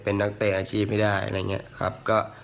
เป็นนักเตะอาชีพไม่ได้อะไรอย่างนี้ครับ